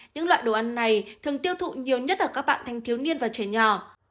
những loại đồ ăn này thường tiêu thụ nhiều nhất ở các bạn thanh thiếu niên và trẻ nhỏ